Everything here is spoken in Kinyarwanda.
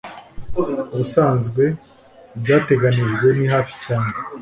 ubusanzwe ibyateganijwe ni hafi cyane